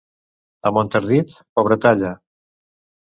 A Montardit, pobretalla.